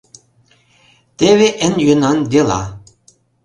Теве эн йӧнан «дела»...